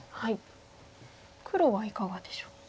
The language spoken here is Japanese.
黒はいかがでしょう？